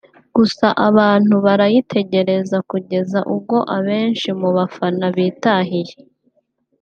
gusa abantu barayitegereza kugeza ubwo abenshi mu bafana bitahiye